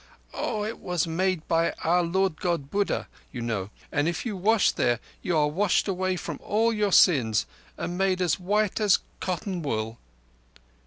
"Oah, it was made by our Lord God Buddha, you know, and if you wash there you are washed away from all your sins and made as white as cotton wool."